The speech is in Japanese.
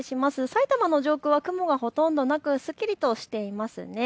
さいたまの上空は雲がほとんどなくすっきりとしています。